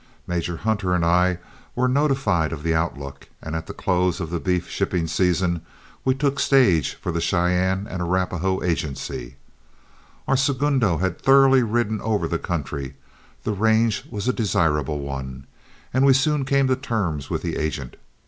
Major Hunter and I were notified of the outlook, and at the close of the beef shipping season we took stage for the Cheyenne and Arapahoe Agency. Our segundo had thoroughly ridden over the country, the range was a desirable one, and we soon came to terms with the agent.